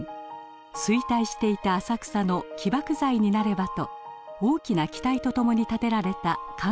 衰退していた浅草の起爆剤になればと大きな期待とともに建てられた観光タワー。